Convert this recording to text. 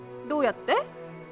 どうやって？